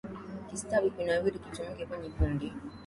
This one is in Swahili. Kistawi kinawiri, kitumike kwenye bunge,